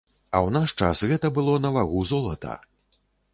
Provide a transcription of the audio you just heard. А ў наш час гэта было на вагу золата!